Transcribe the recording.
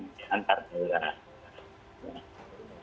sehingga mungkin satu strategi itu implementasinya harus diminis kemudian lupa